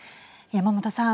山本さん。